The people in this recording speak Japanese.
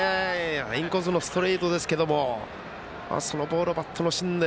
インコースのストレートですがそのボールをバットの芯で。